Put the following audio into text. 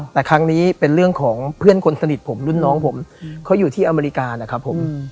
แต่ครั้งนี้เป็นเรื่องของเพื่อนคนสนิทผมรุ่นน้องผมเขาอยู่ที่อเมริกานะครับผม